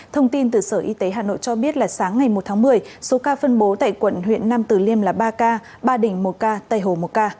thông tin từ sở y tế hà nội cho biết là sáng ngày một tháng một mươi số ca phân bố tại quận huyện nam tử liêm là ba ca ba đình một ca tây hồ một ca